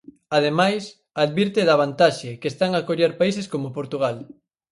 Ademais, advirte da "vantaxe" que están a coller países como Portugal.